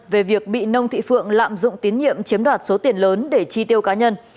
về việc bị nông thị phượng lạm dụng tín nhiệm chiếm đoạt số tiền lớn để chi tiêu cá nhân